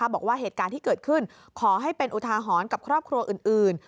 บอกว่าเหตุการณ์ที่เกิดขึ้นขอให้เป็นอุทาหรณ์กับครอบครัวอื่น